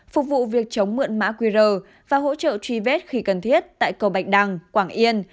phục vụ việc chống mượn mã qr và hỗ trợ truy vết khi cần thiết tại cầu bạch đằng quảng yên